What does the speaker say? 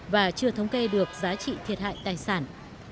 và chưa thống kê được giá trị thiệt hại tài sản